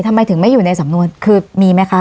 ทำไมถึงไม่อยู่ในสำนวนคือมีไหมคะ